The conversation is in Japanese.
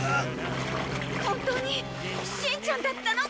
本当にしんちゃんだったの？